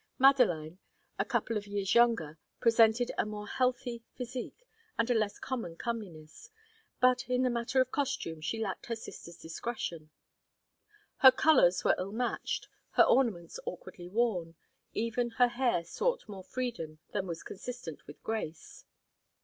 Madeline, a couple of years younger, presented a more healthy physique and a less common comeliness, but in the matter of costume she lacked her sister's discretion. Her colours were ill matched, her ornaments awkwardly worn; even her hair sought more freedom than was consistent with grace.